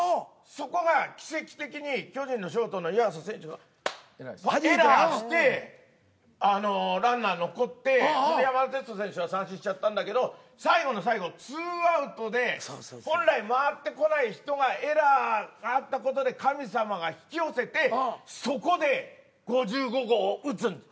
そこが奇跡的に巨人のショートの湯浅選手がエラーしてランナー残って山田哲人選手は三振しちゃったんだけど最後の最後２アウトで本来回ってこない人がエラーがあった事で神様が引き寄せてそこで５５号を打つんです。